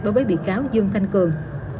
đối với bị cáo dương thanh cường